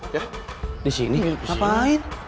ya disini nginep disini ngapain